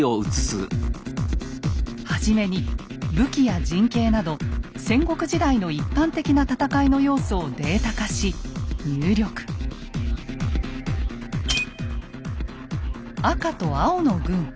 初めに武器や陣形など戦国時代の一般的な戦いの要素をデータ化し赤と青の軍。